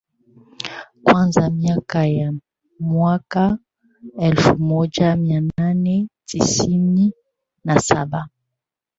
kuanzia miaka ya mwaka elfu moja mia nane tisini na saba